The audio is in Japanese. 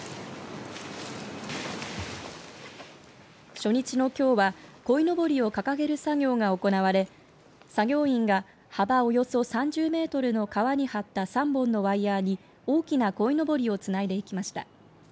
初日のきょうはこいのぼりを掲げる作業が行われ作業員が幅およそ３０メートルの川に張った３本のワイヤに大きなこいのぼりをつないでいきました。